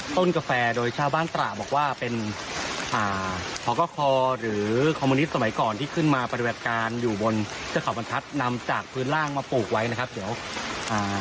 กาแฟโดยชาวบ้านตระบอกว่าเป็นอ่าพอกคอหรือคอมมิวนิตสมัยก่อนที่ขึ้นมาปฏิบัติการอยู่บนเทือกเขาบรรทัศน์นำจากพื้นล่างมาปลูกไว้นะครับเดี๋ยวอ่า